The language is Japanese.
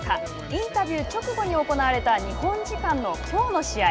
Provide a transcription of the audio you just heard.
インタビュー直後に行われた日本時間のきょうの試合。